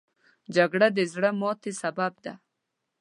جګړه د زړه ماتې سبب ده